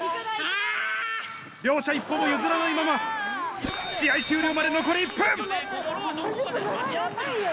両者一歩も譲らないまま試合終了まで残り１分！